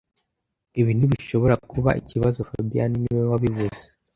Ibi ntibishobora kuba ikibazo fabien niwe wabivuze